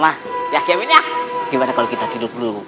bagaimana kalau kita tidur dulu